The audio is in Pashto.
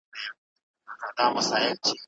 نیمه سپوږمۍ د ځمکې او لمر د حرکتونو تعقیبوي.